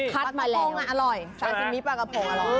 ปลากระโพงอร่อยซาซิมิปลากระโพงอร่อย